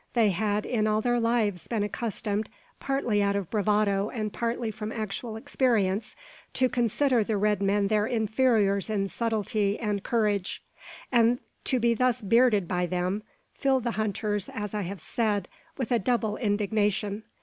They had, all their lives, been accustomed, partly out of bravado and partly from actual experience, to consider the red men their inferiors in subtilty and courage; and to be thus bearded by them, filled the hunters, as I have said, with a double indignation.